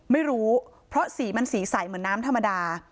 ไม่รู้เพราะสีมันสีใสเหมือนน้ำธรรมดา